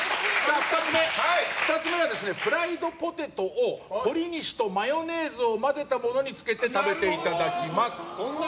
２つ目は、フライドポテトをほりにしとマヨネーズを混ぜたものにつけて食べていただきます。